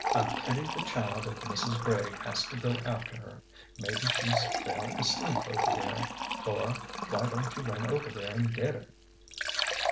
"I pity the child if Mrs. Gregg has to go after her. Mebbe she's fell asleep over there. Flora, why don't you run over there an' get her